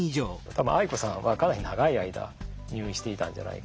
多分あい子さんはかなり長い間入院していたんじゃないかな。